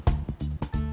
gak mau lah